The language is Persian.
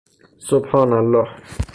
سبحان الله!